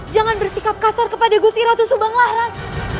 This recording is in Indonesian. jangan bersikap kasar kepada gusiratu subanglah rai